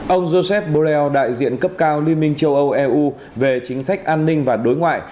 ông josep borrell đại diện cấp cao liên minh châu âu eu về chính sách an ninh và đối ngoại